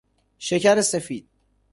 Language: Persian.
شکر سفید